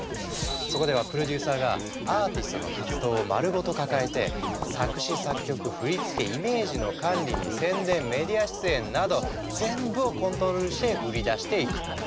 そこではプロデューサーがアーティストの活動を丸ごと抱えて作詞・作曲ふりつけイメージの管理に宣伝メディア出演など全部をコントロールして売り出していく。